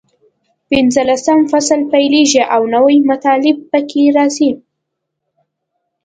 پینځلسم فصل پیلېږي او نوي مطالب پکې راځي.